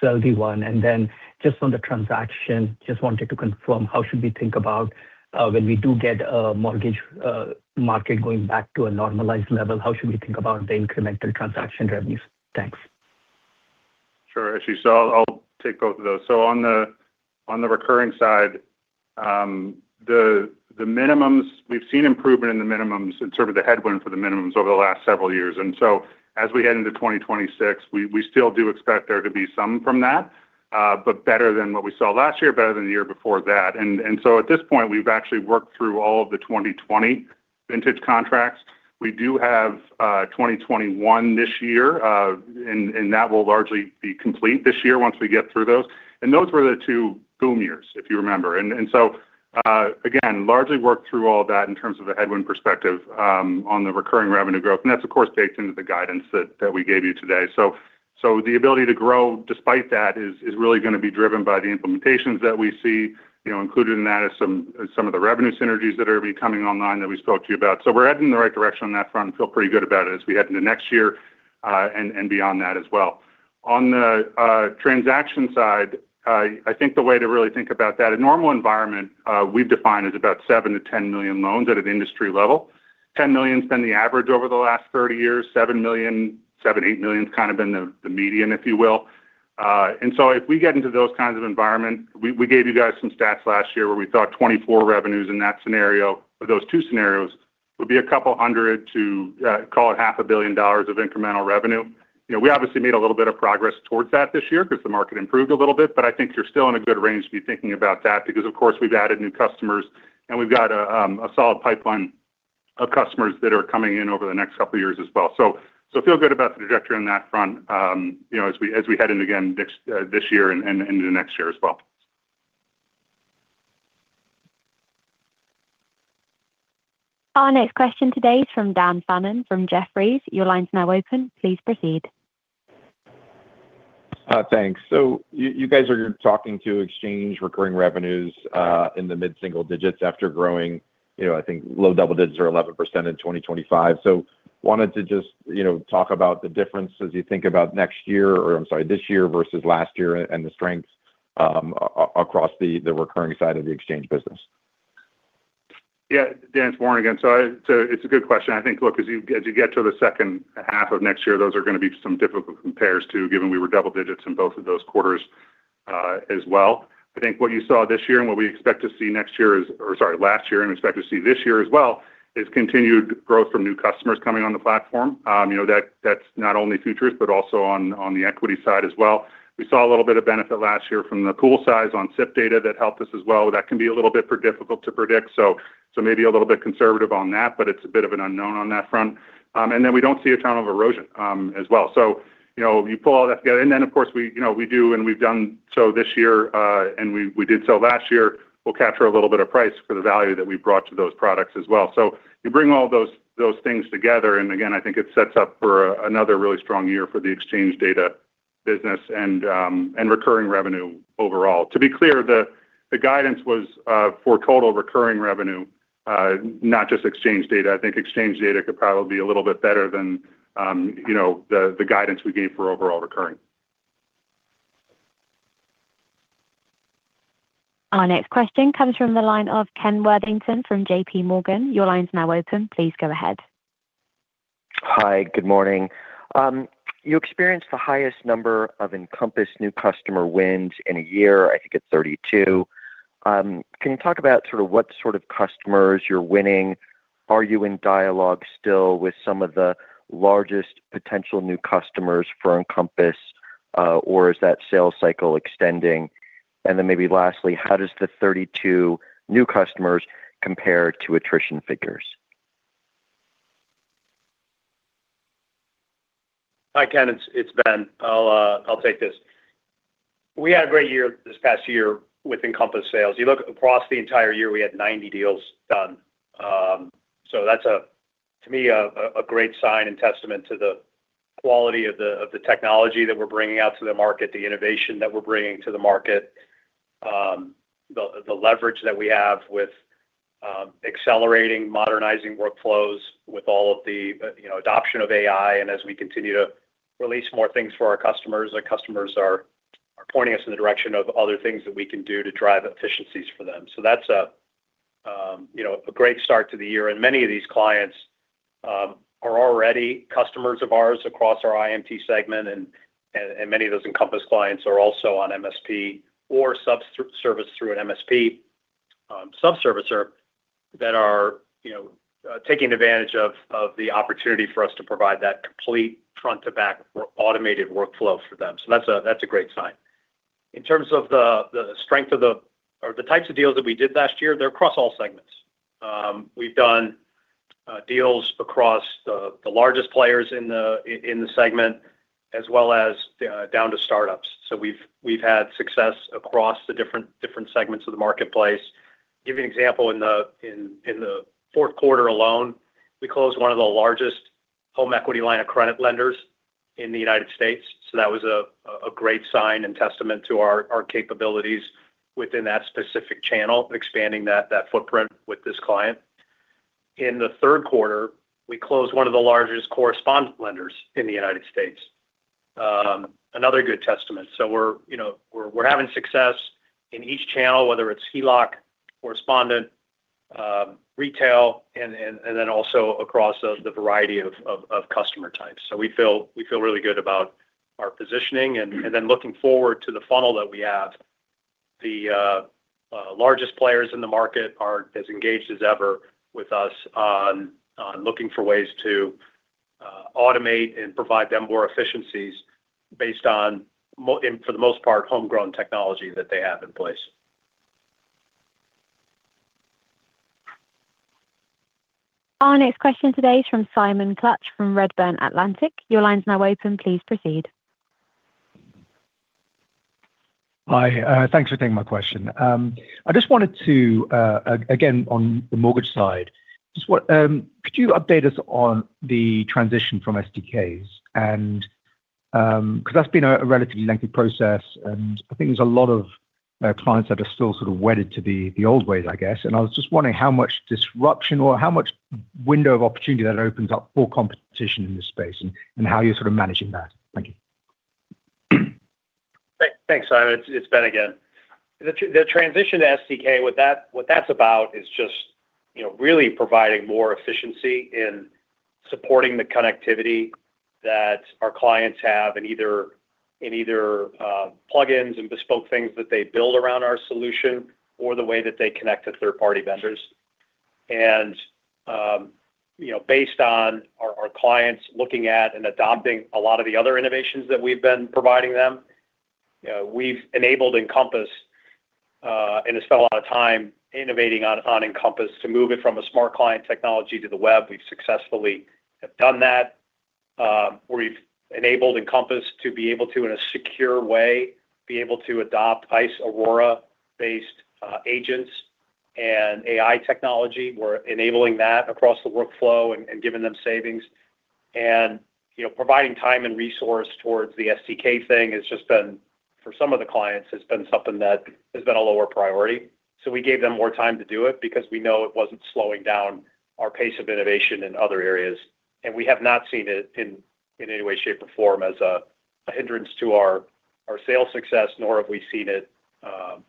So that'll be one. And then just on the transaction, just wanted to confirm, how should we think about, when we do get a mortgage market going back to a normalized level, how should we think about the incremental transaction revenues? Thanks. Sure, Ashish. So I'll, I'll take both of those. So on the recurring side, the minimums. We've seen improvement in the minimums and sort of the headwind for the minimums over the last several years. And so as we head into 2026, we still do expect there to be some from that, but better than what we saw last year, better than the year before that. And so at this point, we've actually worked through all of the 2020 vintage contracts. We do have 2021 this year, and that will largely be complete this year once we get through those. And those were the two boom years, if you remember. Again, largely worked through all that in terms of a headwind perspective, on the recurring revenue growth, and that's, of course, baked into the guidance that we gave you today. So the ability to grow despite that is really going to be driven by the implementations that we see. You know, included in that is some of the revenue synergies that are coming online that we spoke to you about. So we're heading in the right direction on that front, and feel pretty good about it as we head into next year, and beyond that as well. On the transaction side, I think the way to really think about that, a normal environment, we've defined as about 7-10 million loans at an industry level. 10 million has been the average over the last 30 years. 7 million—7-8 million has kind of been the median, if you will. And so if we get into those kinds of environment, we gave you guys some stats last year where we thought 2024 revenues in that scenario, or those two scenarios, would be $200 million to $500 million of incremental revenue. You know, we obviously made a little bit of progress towards that this year because the market improved a little bit, but I think you're still in a good range to be thinking about that, because, of course, we've added new customers, and we've got a solid pipeline of customers that are coming in over the next couple of years as well. So, so feel good about the trajectory on that front, you know, as we, as we head in again this, this year and, and, and into next year as well. Our next question today is from Dan Fannon from Jefferies. Your line is now open. Please proceed. Thanks. So you guys are talking about exchange recurring revenues in the mid-single digits after growing, you know, I think low double digits or 11% in 2025. So wanted to just, you know, talk about the difference as you think about next year—or I'm sorry, this year versus last year, and the strengths across the recurring side of the exchange business. Yeah, Dan, it's Warren again. So it's a good question. I think, look, as you get to the second half of next year, those are going to be some difficult compares too, given we were double digits in both of those quarters, as well. I think what you saw this year and what we expect to see next year is—or sorry, last year, and expect to see this year as well—is continued growth from new customers coming on the platform. You know, that's not only futures, but also on the equity side as well. We saw a little bit of benefit last year from the pool size on SIPdata that helped us as well. That can be a little bit difficult to predict, so maybe a little bit conservative on that, but it's a bit of an unknown on that front. And then we don't see a ton of erosion as well. So, you know, you pull all that together, and then, of course, we, you know, we do and we've done so this year, and we did so last year. We'll capture a little bit of price for the value that we brought to those products as well. So you bring all those things together, and again, I think it sets up for another really strong year for the exchange data business and recurring revenue overall. To be clear, the guidance was for total recurring revenue, not just exchange data. I think exchange data could probably be a little bit better than, you know, the guidance we gave for overall recurring. Our next question comes from the line of Ken Worthington from JP Morgan. Your line is now open. Please go ahead. Hi, good morning. You experienced the highest number of Encompass new customer wins in a year. I think it's 32. Can you talk about sort of what sort of customers you're winning? Are you in dialogue still with some of the largest potential new customers for Encompass, or is that sales cycle extending? And then maybe lastly, how does the 32 new customers compare to attrition figures? Hi, Ken. It's Ben. I'll take this. We had a great year this past year with Encompass sales. You look across the entire year, we had 90 deals done. So that's, to me, a great sign and testament to the quality of the technology that we're bringing out to the market, the innovation that we're bringing to the market, the leverage that we have with accelerating, modernizing workflows, with all of the, you know, adoption of AI. And as we continue to release more things for our customers, our customers are pointing us in the direction of other things that we can do to drive efficiencies for them. So that's, you know, a great start to the year, and many of these clients are already customers of ours across our IMT segment, and many of those Encompass clients are also on MSP or subservice through an MSP subservicer that are, you know, taking advantage of the opportunity for us to provide that complete front-to-back automated workflow for them. So that's a great sign. In terms of the strength of the... or the types of deals that we did last year, they're across all segments. We've done deals across the largest players in the segment, as well as down to startups. So we've had success across the different segments of the marketplace. Give you an example, in the fourth quarter alone, we closed one of the largest home equity line of credit lenders in the United States. So that was a great sign and testament to our capabilities within that specific channel, expanding that footprint with this client. In the third quarter, we closed one of the largest correspondent lenders in the United States. Another good testament. So we're, you know, having success in each channel, whether it's HELOC, correspondent, retail, and then also across the variety of customer types. So we feel really good about our positioning and then looking forward to the funnel that we have. The largest players in the market are as engaged as ever with us on looking for ways to automate and provide them more efficiencies based on and for the most part, homegrown technology that they have in place. Our next question today is from Simon Clinch, from Redburn Atlantic. Your line is now open. Please proceed.... Hi, thanks for taking my question. I just wanted to, again, on the mortgage side, just what could you update us on the transition from SDKs? And, because that's been a relatively lengthy process, and I think there's a lot of clients that are still sort of wedded to the old ways, I guess. And I was just wondering how much disruption or how much window of opportunity that opens up for competition in this space, and how you're sort of managing that? Thank you. Thanks, Simon. It's Ben again. The transition to SDK, what that's about is just, you know, really providing more efficiency in supporting the connectivity that our clients have in either plugins and bespoke things that they build around our solution or the way that they connect to third-party vendors. And, you know, based on our clients looking at and adopting a lot of the other innovations that we've been providing them, we've enabled Encompass and have spent a lot of time innovating on Encompass to move it from a smart client technology to the web. We've successfully have done that. We've enabled Encompass to be able to, in a secure way, be able to adopt ICE Aurora-based agents and AI technology. We're enabling that across the workflow and giving them savings. You know, providing time and resource towards the SDK thing has just been, for some of the clients, it's been something that has been a lower priority. So we gave them more time to do it because we know it wasn't slowing down our pace of innovation in other areas, and we have not seen it in any way, shape, or form as a hindrance to our sales success, nor have we seen it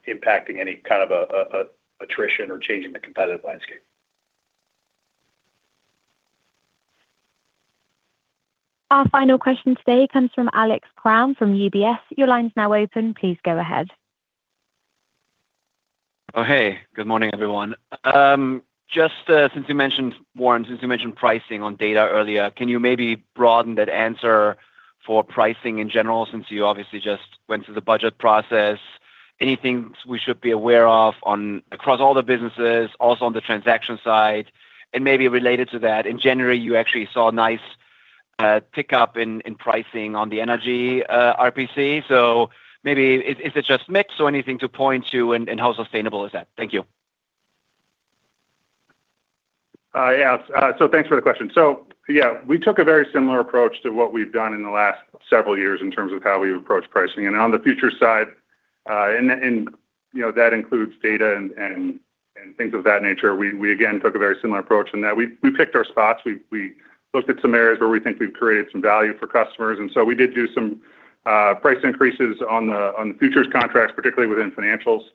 impacting any kind of a attrition or change in the competitive landscape. Our final question today comes from Alex Kramm from UBS. Your line is now open. Please go ahead. Oh, hey, good morning, everyone. Just, since you mentioned, Warren, since you mentioned pricing on data earlier, can you maybe broaden that answer for pricing in general, since you obviously just went through the budget process? Anything we should be aware of on across all the businesses, also on the transaction side? And maybe related to that, in January, you actually saw a nice pickup in pricing on the energy RPC. So maybe, is it just mix or anything to point to, and how sustainable is that? Thank you. Yeah, so thanks for the question. So, yeah, we took a very similar approach to what we've done in the last several years in terms of how we approach pricing. And on the futures side, you know, that includes data and things of that nature. We again took a very similar approach in that we picked our spots. We looked at some areas where we think we've created some value for customers, and so we did do some price increases on the futures contracts, particularly within financials.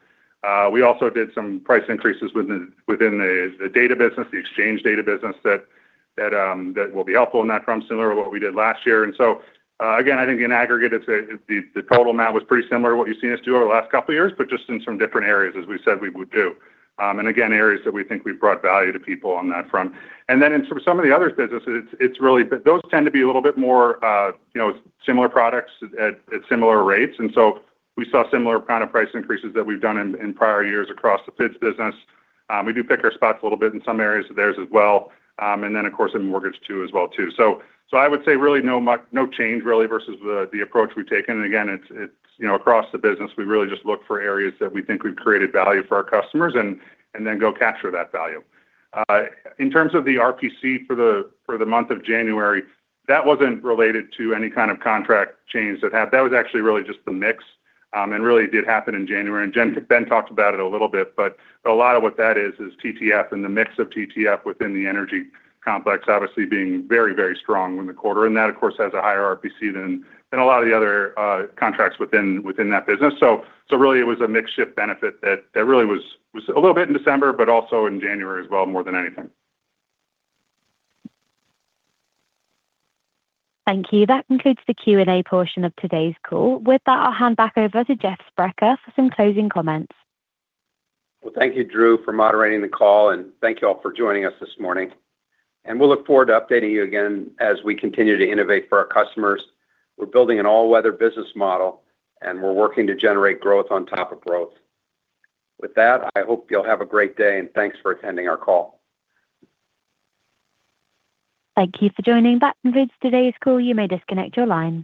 We also did some price increases within the data business, the exchange data business, that will be helpful in that from similar to what we did last year. And so, again, I think in aggregate, it's the total amount was pretty similar to what you've seen us do over the last couple of years, but just in some different areas, as we said we would do. And again, areas that we think we've brought value to people on that front. And then in some of the other businesses, it's really those tend to be a little bit more, you know, similar products at similar rates. And so we saw similar kind of price increases that we've done in prior years across the pits business. We do pick our spots a little bit in some areas of theirs as well, and then, of course, in mortgage, too, as well, too. So I would say really no change really versus the approach we've taken. And again, it's, you know, across the business, we really just look for areas that we think we've created value for our customers and, and then go capture that value. In terms of the RPC for the, for the month of January, that wasn't related to any kind of contract change that had... That was actually really just the mix, and really did happen in January. And Ben talked about it a little bit, but a lot of what that is, is TTF and the mix of TTF within the energy complex, obviously being very, very strong in the quarter. And that, of course, has a higher RPC than, than a lot of the other, contracts within, within that business. So really, it was a mixed shift benefit that really was a little bit in December, but also in January as well, more than anything. Thank you. That concludes the Q&A portion of today's call. With that, I'll hand back over to Jeff Sprecher for some closing comments. Well, thank you, Drew, for moderating the call, and thank you all for joining us this morning. We'll look forward to updating you again as we continue to innovate for our customers. We're building an all-weather business model, and we're working to generate growth on top of growth. With that, I hope you'll have a great day, and thanks for attending our call. Thank you for joining. That concludes today’s call. You may disconnect your lines.